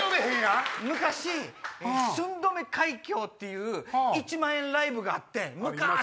昔『寸止め海峡』っていう１万円ライブがあってん。